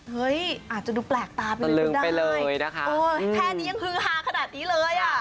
เฮ้ยอาจจะดูแปลกตาไปเลยนะคะแทนนี้ยังฮือฮาขนาดนี้เลยอ่ะ